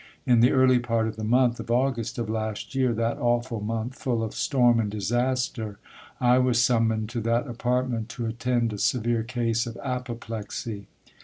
In the early part of the month of August of last year, that awful month full of storm and disaster, I was summoned to that apart ment to attend a severe case of apoplexy.